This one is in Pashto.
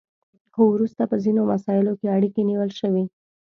خو وروسته په ځینو مساییلو کې اړیکې نیول شوي